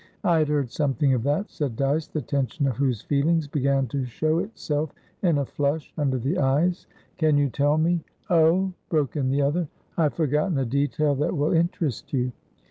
"I had heard something of that," said Dyce, the tension of whose feelings began to show itself in a flush under the eyes. "Can you tell me" "Oh," broke in the other, "I've forgotten a detail that will interest you.